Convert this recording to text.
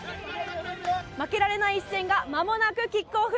負けられない一戦がまもなくキックオフ！